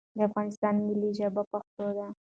دا افغانستان ملی ژبه پښتو ده